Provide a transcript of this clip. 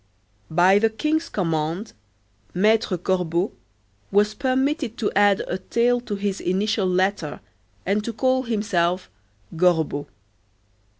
By the kings command, Maître Corbeau was permitted to add a tail to his initial letter and to call himself Gorbeau.